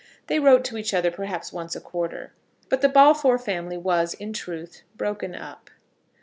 They wrote to each other perhaps once a quarter. But the Balfour family was in truth broken up.